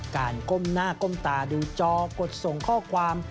ก้มหน้าก้มตาดูจอกดส่งข้อความ